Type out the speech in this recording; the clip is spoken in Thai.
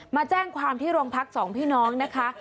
มาแจ้งความที่โรงพักสองพี่น้องนะคะ